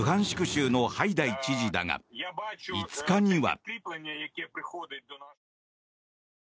州のハイダイ知事だが５日には。